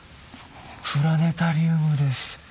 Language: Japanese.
プラネタリウムです。